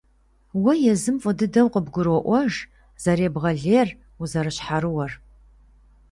Уэ езым фӏы дыдэу къыбгуроӏуэж зэребгъэлейр, узэрыщхьэрыуэр.